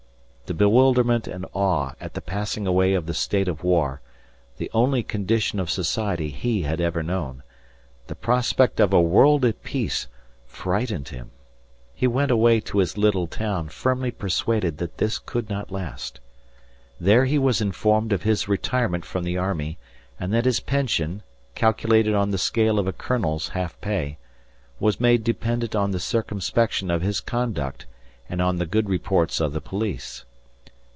The bewilderment and awe at the passing away of the state of war the only condition of society he had ever known the prospect of a world at peace frightened him. He went away to his little town firmly persuaded that this could not last. There he was informed of his retirement from the army, and that his pension (calculated on the scale of a colonel's half pay) was made dependent on the circumspection of his conduct and on the good reports of the police.